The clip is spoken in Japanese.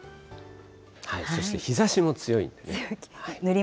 そして日ざしも強いんですよね。